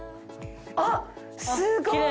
あっすごっ！